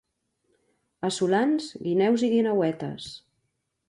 A Solans, guineus i guineuetes.